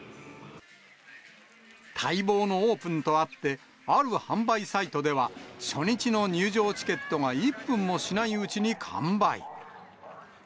待望のオープンとあって、ある販売サイトでは、初日の入場チケットが１分もしないうちに完売。